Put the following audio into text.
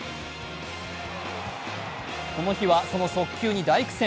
この日はその速球に大苦戦。